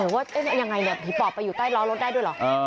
ว่ายังไงผีปอบไปอยู่ใต้ล้อรถได้ด้วยเหรอ